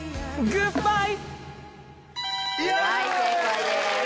「グッバイ」